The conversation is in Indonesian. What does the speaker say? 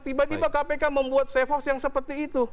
tiba tiba kpk membuat safe house yang seperti itu